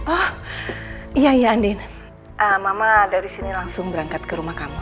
oh iya yandin mama dari sini langsung berangkat ke rumah kamu